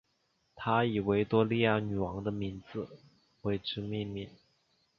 他以维多利亚女王的名字为之命名。